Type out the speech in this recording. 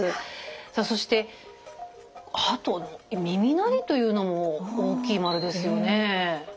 さあそしてあと「耳鳴り」というのも大きい円ですよね。